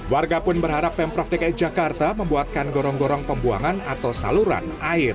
warga pun berharap pemprov dki jakarta membuatkan gorong gorong pembuangan atau saluran air